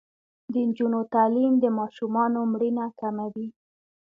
د نجونو تعلیم د ماشومانو مړینه کموي.